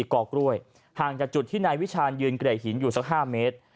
กอกล้วยห่างจากจุดที่นายวิชาณยืนเกรดหินอยู่สัก๕เมตร